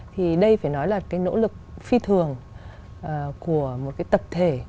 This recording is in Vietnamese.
thì đây phải nói là cái nỗ lực phi thường của một cái tập thể